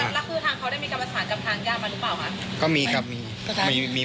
หู้คนผู้หญิงคนนี้ชื่อซิริ